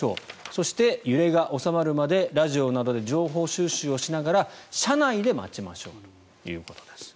そして、揺れが収まるまでラジオなどで情報収集をしながら車内で待ちましょうということです。